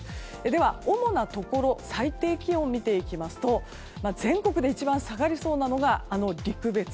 では、主なところ最低気温を見ていきますと全国で一番下がりそうなのが陸別。